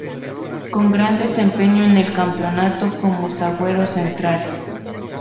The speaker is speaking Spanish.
Con gran desempeño en el campeonato como zaguero central.